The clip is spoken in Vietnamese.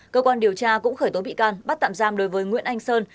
cơ quan điều tra cũng khởi tố bị can bắt tạm giam đối với nguyễn anh sơn